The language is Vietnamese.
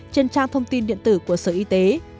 trên trang thông tin điện tử của sở y tế